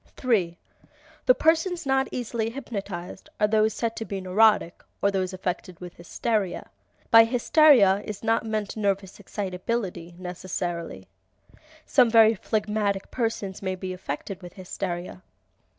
3. The persons not easily hypnotized are those said to be neurotic (or those affected with hysteria). By "hysteria" is not meant nervous excitability, necessarily. Some very phlegmatic persons may be affected with hysteria.